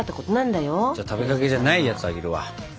じゃあ食べかけじゃないやつあげるわ。